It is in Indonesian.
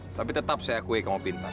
tapi tetap saya akui kamu pintar